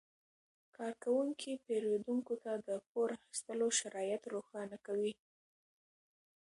کارکوونکي پیرودونکو ته د پور اخیستلو شرایط روښانه کوي.